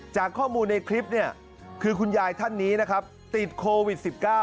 จากข้อมูลในคลิปเนี่ยคือคุณยายท่านนี้นะครับติดโควิด๑๙